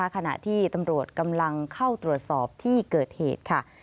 ขณะที่ตำรวจกำลังเข้าตรวจสอบที่เกิดเหตุค่ะ